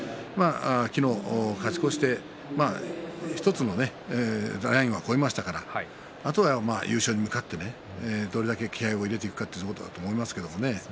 昨日、勝ち越して１つのラインは越えましたからあとは優勝に向かってどれだけ気合いを入れていくかというところだと思いますけれどね。